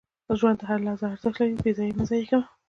• د ژوند هره لحظه ارزښت لري، بې ځایه یې مه ضایع کوه.